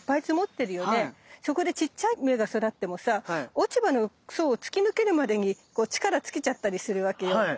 そこでちっちゃい芽が育ってもさ落ち葉の層を突き抜けるまでに力尽きちゃったりするわけよ。